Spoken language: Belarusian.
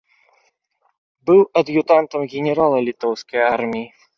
Быў ад'ютантам генерала літоўскай арміі.